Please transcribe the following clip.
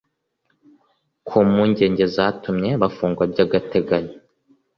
Ku mpugenge zatumye bafungwa by’agateganyo